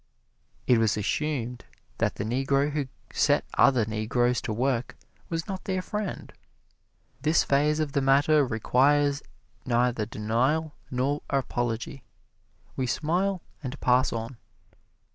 It was assumed that the Negro who set other Negroes to work was not their friend. This phase of the matter requires neither denial nor apology. We smile and pass on.